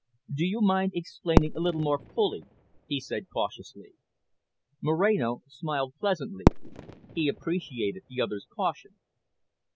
"Do you mind explaining a little more fully," he said cautiously. Moreno smiled pleasantly. He appreciated the other's caution.